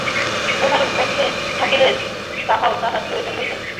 গুহার মধ্যে থাকিলে তাহাও তাঁহার প্রয়োজন হইত না।